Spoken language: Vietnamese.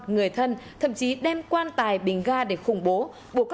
người thân thậm chí đem quan tài bình ga để khủng bố